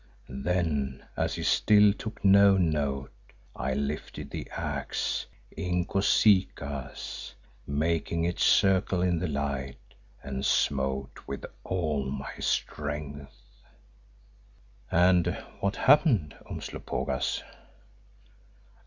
Then, as he still took no note, I lifted the axe Inkosikaas, making it circle in the light, and smote with all my strength." "And what happened, Umslopogaas?"